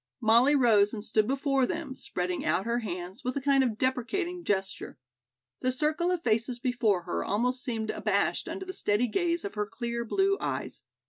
Molly rose and stood before them, spreading out her hands with a kind of deprecating gesture. The circle of faces before her almost seemed abashed under the steady gaze of her clear blue eyes.